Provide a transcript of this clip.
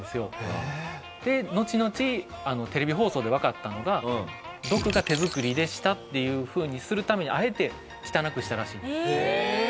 えっ！でのちのちテレビ放送でわかったのがドクが手作りでしたっていうふうにするためにあえて汚くしたらしい。